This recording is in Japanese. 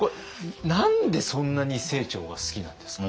何でそんなに清張が好きなんですか？